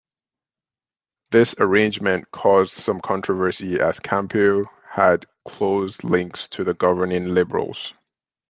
This arrangement caused some controversy as Campeau had close links to the governing Liberals.